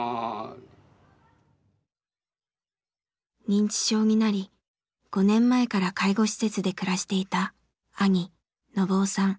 認知症になり５年前から介護施設で暮らしていた兄信雄さん。